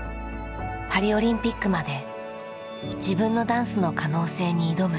パリオリンピックまで自分のダンスの可能性に挑む。